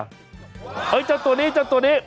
เฮ้ยเจ้าตัวนี้